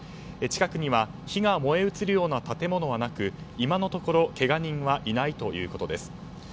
近くには火が燃え移るような建物はなく、今のところけが人はいないということです。